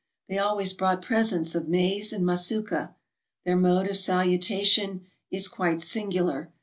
They always brought presents of maize and masuka. Their mode of salutation i: quite singular.